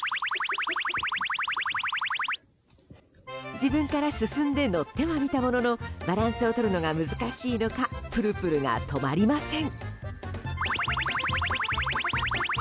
自分から進んで乗ってはみたもののバランスをとるのが難しいのかプルプルが止まりません。